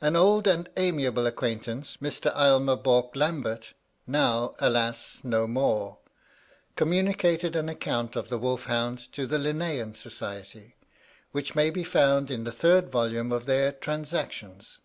An old and amiable acquaintance, Mr. Aylmer Bourke Lambert, now, alas! no more, communicated an account of the wolf hound to the Linnean Society, which may be found in the third volume of their "Transactions."